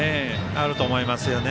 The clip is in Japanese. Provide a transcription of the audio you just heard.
あると思います。